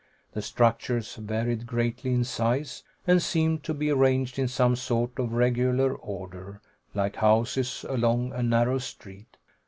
The structures varied greatly in size, and seemed to be arranged in some sort of regular order, like houses along a narrow street.